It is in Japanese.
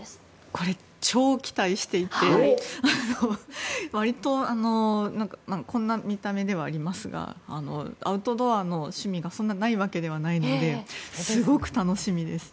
これ、超期待していてわりとこんな見た目ではありますがアウトドアの趣味がそんなにないわけではないのですごく楽しみです。